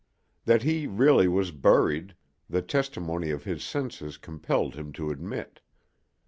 That he really was buried, the testimony of his senses compelled him to admit.